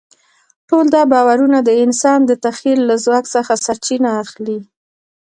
ټول دا باورونه د انسان د تخیل له ځواک څخه سرچینه اخلي.